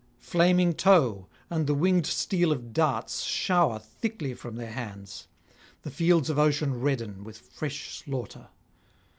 Flaming tow and the winged steel of darts shower thickly from their hands; the fields of ocean redden with fresh slaughter.